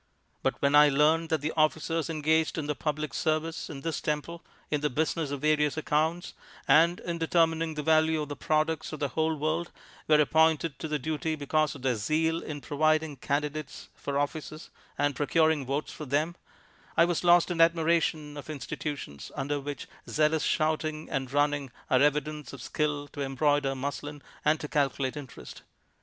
But when I learned that the officers engaged in the public service in this temple, in the business of various accounts, and in determining the value of the products of the whole world, were appointed to the duty because of their zeal in providing candidates for offices and procuring votes for them, I was lost in admiration of institutions under which zealous shouting and running are evidence of skill to embroider muslin and to calculate interest.